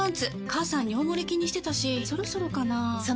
母さん尿モレ気にしてたしそろそろかな菊池）